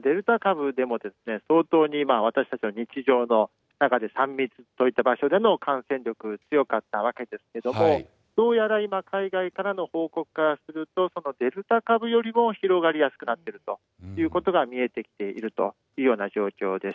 デルタ株でも相当に私たちの日常の中で３密といった場所での感染力強かったわけですけれども、どうやら今、海外の報告からすると、デルタ株よりも広がりやすくなっているということが見えてきているというような状況です。